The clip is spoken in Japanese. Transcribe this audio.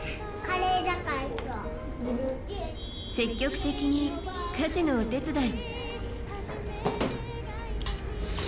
積極的に家事のお手伝い。